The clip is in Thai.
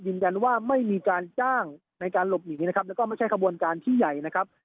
ยืนยันว่าไม่มีการจ้างในการหลบหนีนะครับแล้วก็ไม่ใช่ขบวนการที่ใหญ่นะครับ